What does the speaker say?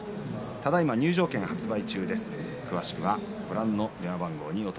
ただいま入場券発売中です。